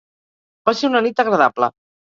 Va ser una nit agradable.